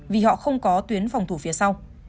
vì họ không có tuyến phòng thủ phía sau